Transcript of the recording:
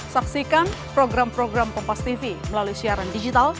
saksikan program program kompastv melalui siaran digital